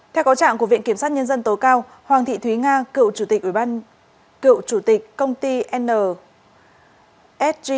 theo có trạng của viện kiểm sát nhân dân tố cao hoàng thị thúy nga cựu chủ tịch công ty nsg